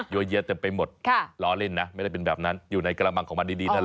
เยอะแยะเต็มไปหมดล้อเล่นนะไม่ได้เป็นแบบนั้นอยู่ในกระมังของมันดีนั่นแหละ